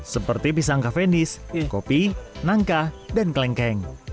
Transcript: seperti pisang kafenis kopi nangkah dan kelengkeng